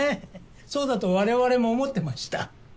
そうだと我々も思ってました。